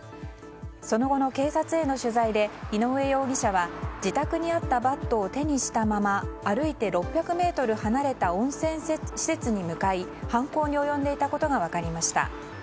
その後の警察への取材で井上容疑者は自宅にあったバットを手にしたまま歩いて６００ｍ離れた温泉施設に向かい犯行に及んでいたことが分かりました。